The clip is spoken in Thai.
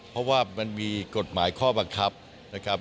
เพราะว่ามันมีกฎหมายข้อบังคับนะครับ